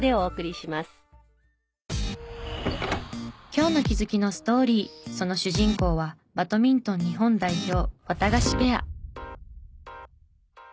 今日の気づきのストーリーその主人公はバドミントン日本代表ワタガシペア。